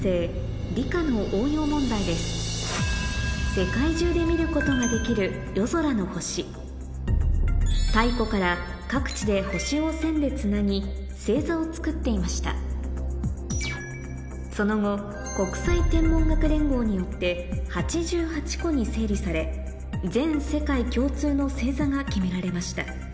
世界中で見ることができる太古から星を線でつなぎその後国際天文学連合によって８８個に整理され全世界共通の星座が決められましたこれを